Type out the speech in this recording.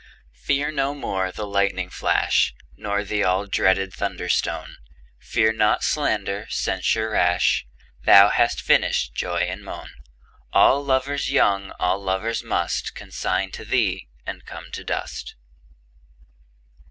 Fear no more the lightning flash, Nor the all dreaded thunder stone; Fear not slander, censure rash; Thou hast finish'd joy and moan:All lovers young, all lovers mustConsign to thee, and come to dust.